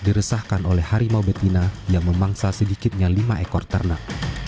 diresahkan oleh harimau betina yang memangsa sedikitnya lima ekor ternak